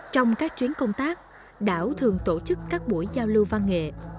trong các chuyến công tác đảo thường tổ chức các buổi giao lưu văn nghệ